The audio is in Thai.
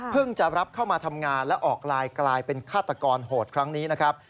จะรับเข้ามาทำงานและออกไลน์กลายเป็นฆาตกรโหดครั้งนี้นะครับ